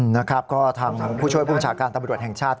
นะครับก็ทำผู้ช่วยภูมิฉาการตรรวจแห่งชาติ